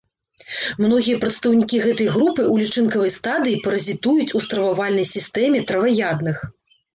Многія прадстаўнікі гэтай групы ў лічынкавай стадыі паразітуюць у стрававальнай сістэме траваедных.